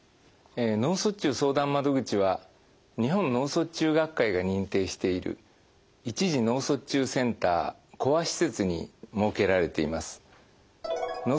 脳卒中相談窓口は日本脳卒中学会が認定している一時脳卒中センターコア施設に設けられています。